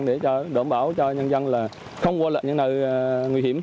để đảm bảo cho nhân dân là không qua lại những nơi nguy hiểm